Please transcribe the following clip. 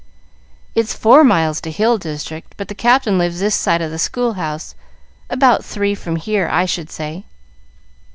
"It's four miles to Hill District, but the Captain lives this side of the school house. About three from here, I should say."